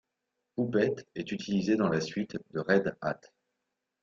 Puppet est utilisé dans la suite de Red Hat.